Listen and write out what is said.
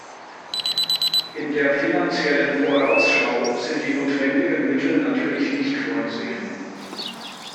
In der Finanziellen Vorausschau sind die notwendigen Mittel natürlich nicht vorgesehen.